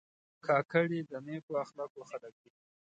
کاکړي د نیکو اخلاقو خلک دي.